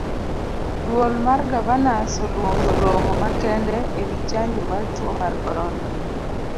Duol mar gavanas oluongo romo makende ewii chanjo mar tuo mar corona.